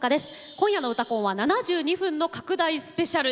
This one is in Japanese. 今夜の「うたコン」は７２分の拡大スペシャル。